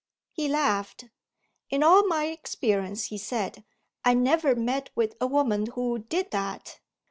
He laughed. "In all my experience," he said, "I never met with a woman who did that!